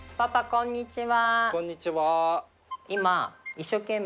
こんにちは。